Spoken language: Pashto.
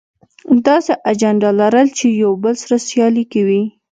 داسې اجنډا لرل چې يو بل سره سیالي کې وي.